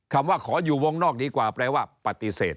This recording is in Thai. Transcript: คำว่าขออยู่วงนอกดีกว่าแปลว่าปฏิเสธ